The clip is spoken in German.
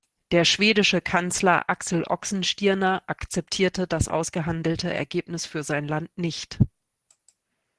Der schwedische Kanzler Axel Oxenstierna akzeptierte das ausgehandelte Ergebnis für sein Land nicht.